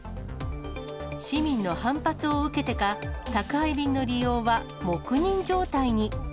市民の反発を受けてか、宅配便の利用は黙認状態に。